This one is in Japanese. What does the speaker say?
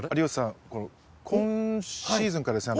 今シーズンからですね